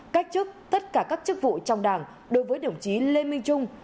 cách chức tất cả các chức vụ trong đảng đối với đồng chí lê minh trung